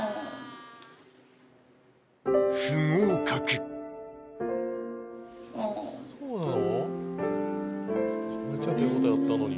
不合格そうなの？